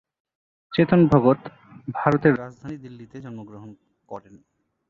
চেতন ভগত ভারতের রাজধানী দিল্লীতে জন্মগ্রহণ করেন।